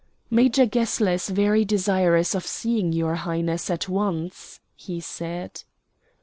"Major Gessler is very desirous of seeing your Highness at once," he said.